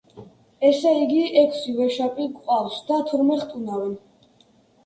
ესე იგი, ექვსი ვეშაპი გვყავს და თურმე ხტუნავენ.